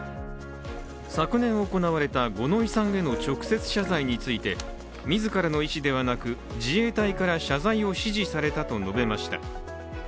昨年行われた五ノ井さんへの直接謝罪について自らの意思ではなく、自衛隊から謝罪を指示されたと述べました。